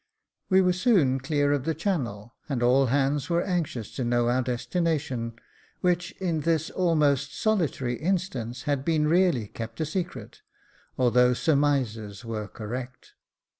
We were soon clear of the Channel, and all hands were anxious to know our destination, which, in this almost solitary instance, had been really kept a secret, although surmises were correct.